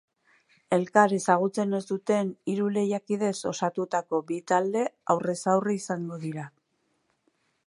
Elkar ezagutzen ez duten hiru lehiakidez osatutako bi talde aurrez aurre izango dira.